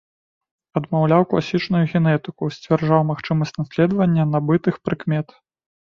Адмаўляў класічную генетыку, сцвярджаў магчымасць наследавання набытых прыкмет.